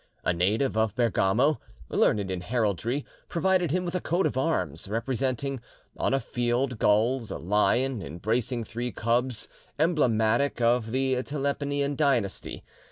A native of Bergamo, learned in heraldry, provided him with a coat of arms, representing, on a field gules, a lion, embracing three cubs, emblematic of the Tepelenian dynasty.